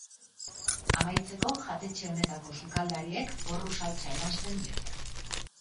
Amaitzeko, jatetxe honetako sukaldariek porru saltsa eransten diote.